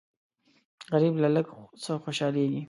غریب له لږ څه خوشالېږي